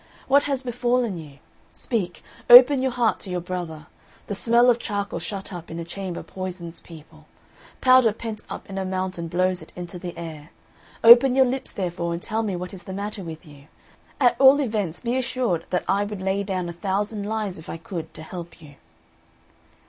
What has befallen you? Speak open your heart to your brother: the smell of charcoal shut up in a chamber poisons people powder pent up in a mountain blows it into the air; open your lips, therefore, and tell me what is the matter with you; at all events be assured that I would lay down a thousand lives if I could to help you."